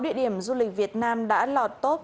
địa điểm du lịch việt nam đã lọt top